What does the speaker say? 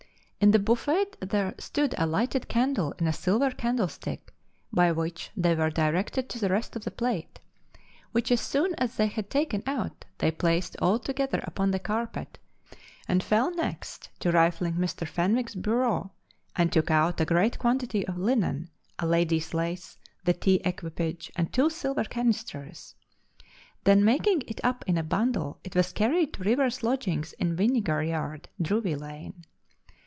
In the buffet there stood a lighted candle in a silver candle stick, by which they were directed to the rest of the plate, which as soon as they had taken out, they placed all together upon the carpet, and fell next to rifling Mr. Fenwick's bureau, and took out a great quantity of linen, a lady's lace, the tea equipage, and two silver canisters. Then making it up in a bundle, it was carried to River's lodgings in Vinegar Yard, Drury Lane.